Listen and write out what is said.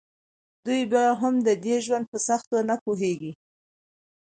دوی بیا هم د دې ژوند په سختیو نه پوهیږي